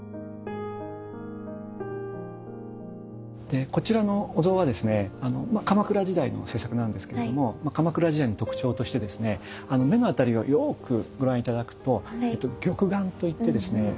でこちらのお像はですね鎌倉時代の制作なんですけれども鎌倉時代の特徴としてですね目のあたりをよくご覧頂くと玉眼と言ってですね